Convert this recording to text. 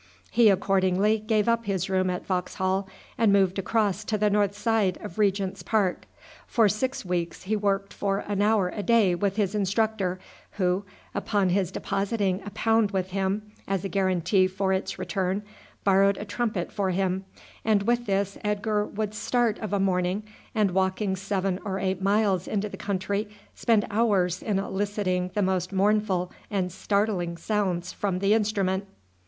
He accordingly gave up his room at Vauxhall, and moved across to the north side of Regent's Park. For six weeks he worked for an hour a day with his instructor, who, upon his depositing a pound with him as a guarantee for its return, borrowed a trumpet for him, and with this Edgar would start of a morning, and walking seven or eight miles into the country, spend hours in eliciting the most mournful and startling sounds from the instrument.